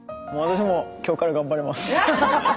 私も今日から頑張ります。